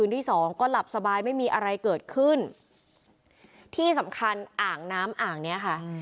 ที่สองก็หลับสบายไม่มีอะไรเกิดขึ้นที่สำคัญอ่างน้ำอ่างเนี้ยค่ะ